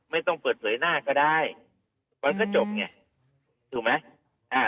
ไม่ต้องเปิดเผยหน้าก็ได้มันก็จบไงถูกไหมอ่า